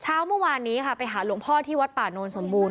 เช้าเมื่อวานนี้ค่ะไปหาหลวงพ่อที่วัดป่าโนนสมบูรณ